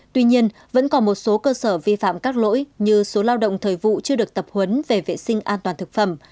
tuy nhiên vẫn còn một số cơ sở vi phạm các lỗi như số lao động thời vụ chưa được tập huấn về vệ sinh an toàn thực phẩm